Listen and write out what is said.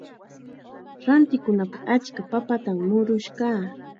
Rantikunapaq achka papatam murush kaa.